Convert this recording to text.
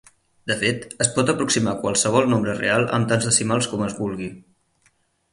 De fet, es pot aproximar qualsevol nombre real amb tants decimals com es vulgui.